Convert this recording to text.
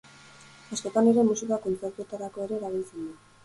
Askotan ere musika kontzertuetarako ere erabiltzen da.